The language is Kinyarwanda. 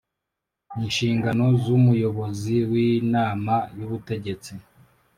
Inshingano z umuyobozi w inama y ubutegetsi